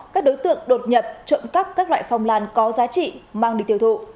các đối tượng đột nhập trộm cắp các loại phong lan có giá trị mang địch tiêu thụ